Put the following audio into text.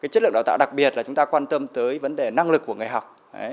chất lượng đào tạo đặc biệt là chúng ta quan tâm tới vấn đề năng lực của người học